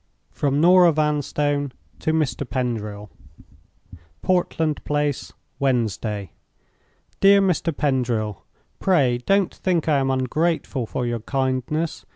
From Norah Vanstone to Mr. Pendril. "Portland Place, Wednesday. "DEAR MR. PENDRIL, "Pray don't think I am ungrateful for your kindness.